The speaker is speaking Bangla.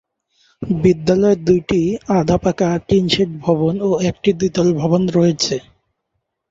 বিদ্যালয়ে দুইটি আধা পাকা টিনশেড ভবন ও একটি দ্বিতল ভবন রয়েছে।